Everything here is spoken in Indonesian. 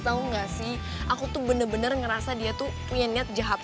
tau gak sih aku tuh bener bener ngerasa dia tuh punya niat jahat